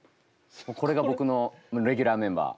これが僕のレギュラーメンバー。